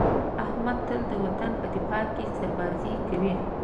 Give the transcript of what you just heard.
احمد تل د وطن په دفاع کې سربازي کوي.